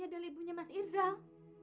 adalah ibunya mas irzal